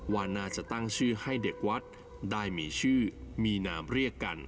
ว่าน่าจะตั้งชื่อให้เด็กวัดได้มีชื่อมีนามเรียกกัน